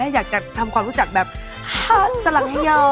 อยากจะทำความรู้จักแบบสลักฮยอ